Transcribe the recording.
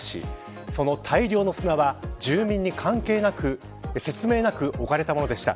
その大量の砂は住民に説明なくおかれたものでした。